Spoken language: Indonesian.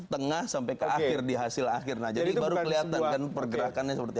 tengah sampai ke akhir di hasil akhirnya jadi baru kelihatan pergerakannya seperti